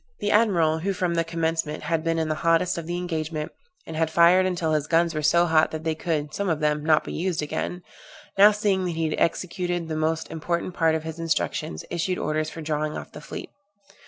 The admiral, who from the commencement had been in the hottest of the engagement, and had fired until his guns were so hot that they could, some of them, not be used again; now seeing that he had executed the most important part of his instructions, issued orders for drawing off the fleet.